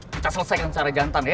kita selesaikan secara jantan ya